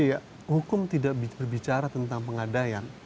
ya hukum tidak berbicara tentang pengadaian